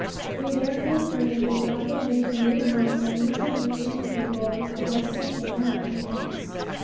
We therefore prayed that God would make the new house a means of reaching the people a blessing, and not a hindrance.